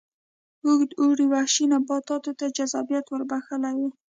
اوږد اوړي وحشي نباتاتو ته جذابیت ور بخښلی و.